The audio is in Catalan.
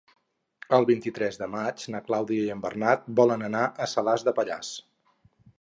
El vint-i-tres de maig na Clàudia i en Bernat volen anar a Salàs de Pallars.